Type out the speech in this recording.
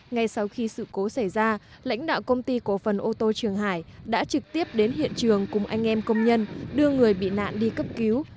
ngay sau khi sự cố xảy ra lãnh đạo công ty cổ phần ô tô trường hải đã trực tiếp đến hiện trường cùng anh em công nhân đưa người bị nạn đi cấp cứu